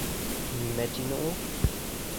Нимә тине ул?